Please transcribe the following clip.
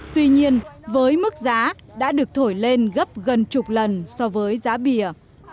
tuy nhiên với mức giá đã được thổi lên gấp gần chục lần so với giá bìa